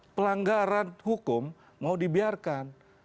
pelanggaran hukum mau dibiarkan